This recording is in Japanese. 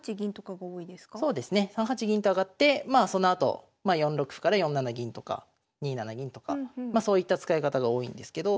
３八銀と上がってまあそのあと４六歩から４七銀とか２七銀とかそういった使い方が多いんですけど。